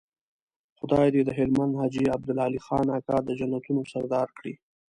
خدای دې د هلمند حاجي عبدالعلي خان اکا د جنتونو سردار کړي.